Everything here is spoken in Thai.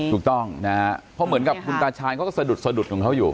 ถูกต้องนะฮะเพราะเหมือนกับคุณตาชาญเขาก็สะดุดสะดุดของเขาอยู่